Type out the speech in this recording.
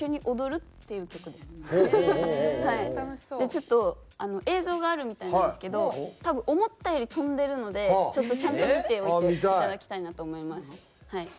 ちょっと映像があるみたいなんですけど多分思ったより跳んでるのでちょっとちゃんと見ておいていただきたいなと思います。